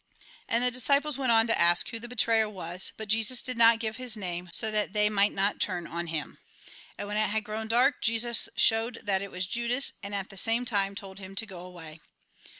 And the disciples went on to ask who the betrayer was. But Jesus did not give his name, so that they might not turn on him. And when it had grown dark, Jesus showed that it was Judas, and at the same time told him to go away.